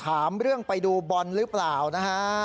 ถามเรื่องไปดูบอลหรือเปล่านะฮะ